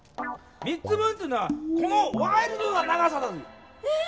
３つ分っていうのはこのワイルドな長さだぜぇ！